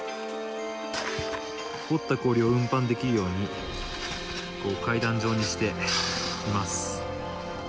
掘った氷を運搬できるように階段状にしています。